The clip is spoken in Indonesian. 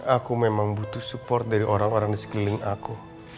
aku memang butuh support dari orang orang di sekeliling aku